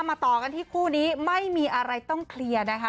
ต่อกันที่คู่นี้ไม่มีอะไรต้องเคลียร์นะคะ